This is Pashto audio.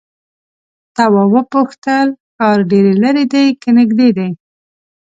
تواب وپوښتل ښار ډېر ليرې دی که نږدې دی؟